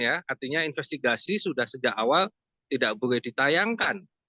artinya investigasi sudah sejak awal tidak boleh ditayangkan